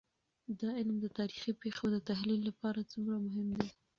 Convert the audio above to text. دا علم د تاريخي پېښو د تحلیل لپاره څومره مهم دی؟